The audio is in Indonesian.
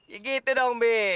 ya gitu dong be